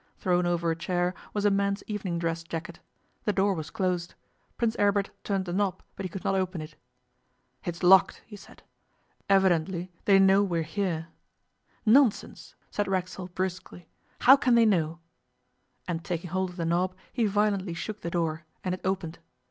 Thrown over a chair was a man's evening dress jacket. The door was closed. Prince Aribert turned the knob, but he could not open it. 'It's locked,' he said. 'Evidently they know we're here.' 'Nonsense,' said Racksole brusquely; 'how can they know?' And, taking hold of the knob, he violently shook the door, and it opened.